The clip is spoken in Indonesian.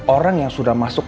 orang yang sudah masuk